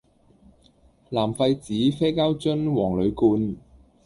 藍廢紙啡膠樽黃鋁罐